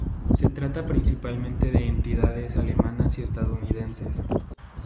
Se trata principalmente de entidades alemanas y estadounidenses.